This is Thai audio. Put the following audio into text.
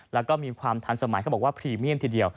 แล้วก็มีความทันสมัยเขาบอกว่าพรีเมียนทีเดียว